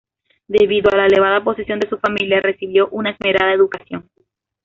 Debido a la elevada posición de su familia, recibió una esmerada educación.